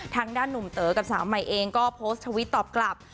ทางด้านหนุ่มเต๋อกับสาวใหม่เองก็โพสต์ทวิตตอบกลับ